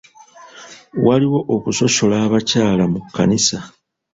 Waliwo okusosola abakyala mu kkanisa.